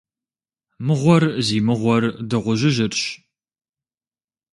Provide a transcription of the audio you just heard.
Мыгъуэр зи мыгъуэр Дыгъужьыжьырщ.